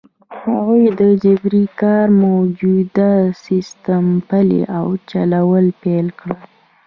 هغوی د جبري کار موجوده سیستم پلی او چلول پیل کړ.